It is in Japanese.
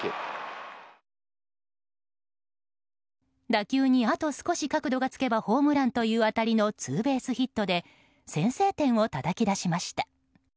打球にあと少し角度がつけばホームランという当たりのツーベースヒットで先制点をたたき出しました。